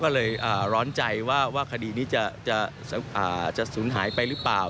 ก็เลยร้อนใจว่าคดีนี้จะสูญหายไปหรือเปล่า